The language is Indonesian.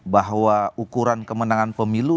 bahwa ukuran kemenangan pemilu